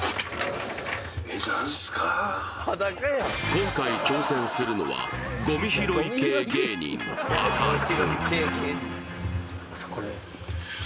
今回挑戦するのはごみ拾い系芸人、あかつ。